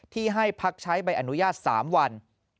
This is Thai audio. ให้พักใช้ใบอนุญาต๓วัน